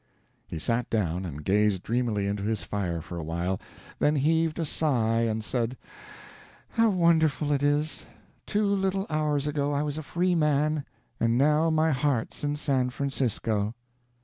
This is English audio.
He sat down, and gazed dreamily into his fire for a while, then heaved a sigh and said: "How wonderful it is! Two little hours ago I was a free man, and now my heart's in San Francisco!"